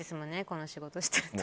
この仕事してると。